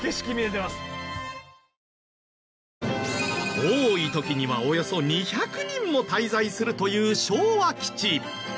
多い時にはおよそ２００人も滞在するという昭和基地。